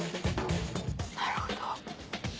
なるほど。